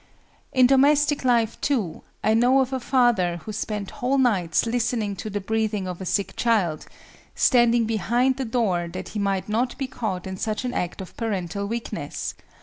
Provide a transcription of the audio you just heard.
In domestic life, too, I know of a father who spent whole nights listening to the breathing of a sick child, standing behind the door that he might not be caught in such an act of parental weakness!